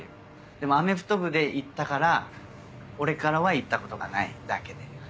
でもアメフト部で行ったから俺からは行ったことがないだけで。